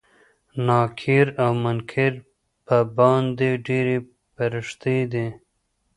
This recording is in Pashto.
دا نکير او منکر په باندې ډيرې پريښتې دي